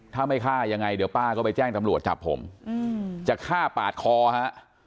ถ้าไม่ฆ่ายังไงเดี๋ยวป้าก็ไปแจ้งตำรวจจับผมจะฆ่าปาดคอฮะ